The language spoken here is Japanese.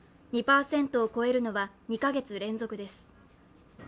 ２％を超えるのは２カ月連続です。